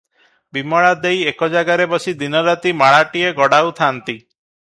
ବିମଳା ଦେଈ ଏକ ଜାଗାରେ ବସି ଦିନ ରାତି ମାଳାଟିଏ ଗଡ଼ାଉଥାନ୍ତି ।